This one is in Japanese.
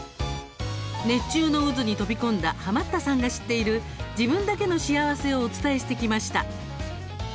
熱中の渦に飛び込んだハマったさんが知っている自分だけの幸せをお伝えしてきました。